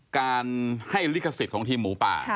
การให้ลิขสิทธิ์ของทีมหมูป่า